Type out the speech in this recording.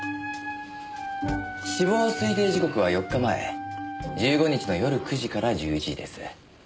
死亡推定時刻は４日前１５日の夜９時から１１時です。